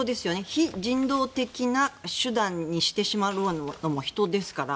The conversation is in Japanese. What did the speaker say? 非人道的な手段にしてしまうのも人ですから。